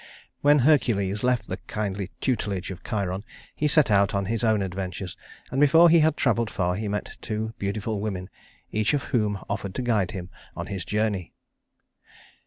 When Hercules left the kindly tutelage of Chiron, he set out on his own adventures, and before he had traveled far he met two beautiful women, each of whom offered to guide him on his journey.